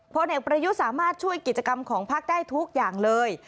พลเอกประยุทธ์สามารถช่วยกิจกรรมของพักได้ทุกอย่างเลย